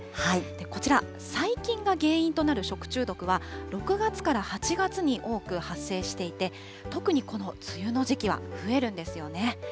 こちら、細菌が原因となる食中毒は、６月から８月に多く発生していて、特にこの梅雨の時期は増えるんですよね。